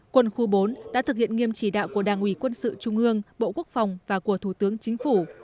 quân khu bốn đã thực hiện nghiêm chỉ đạo của đảng ủy quân sự trung ương bộ quốc phòng và của thủ tướng chính phủ